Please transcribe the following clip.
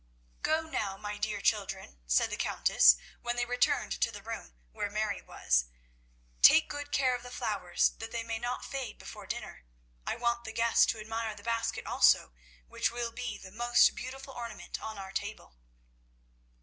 "Go now, my dear children," said the Countess, when they returned to the room where Mary was, "take good care of the flowers, that they may not fade before dinner. I want the guests to admire the basket also, which will be the most beautiful ornament on our table."